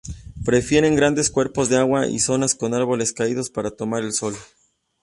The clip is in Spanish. Prefieren grandes cuerpos de agua y zonas con árboles caídos para tomar el sol.